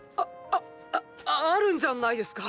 ああああるんじゃないですか？